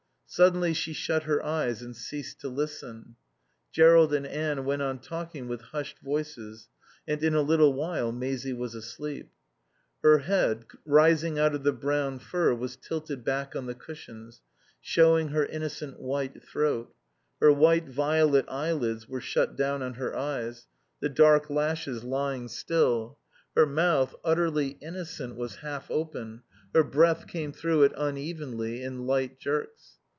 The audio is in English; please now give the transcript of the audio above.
Suddenly she shut her eyes and ceased to listen. Jerrold and Anne went on talking with hushed voices, and in a little while Maisie was asleep. Her head, rising out of the brown fur, was tilted back on the cushions, showing her innocent white throat; her white violet eyelids were shut down on her eyes, the dark lashes lying still; her mouth, utterly innocent, was half open; her breath came through it unevenly, in light jerks.